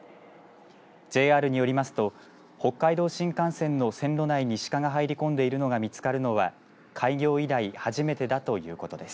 ＪＲによりますと北海道新幹線の線路内にシカが入り込んでいるのが見つかるのは開業以来初めてだということです。